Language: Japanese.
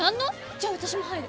じゃあ私も入る！